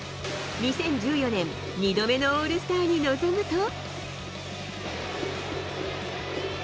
２０１４年、２度目のオールスターに臨むと。